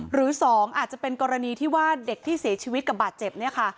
หรือ๒อาจจะเป็นกรณีที่ว่าเด็กที่เสียชีวิตกับบาดเจ็บเนี่ยค่ะ